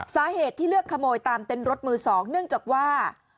สาเหตุที่เลือกขโมยตามเต้นรถมือ๒เนื่องจากว่า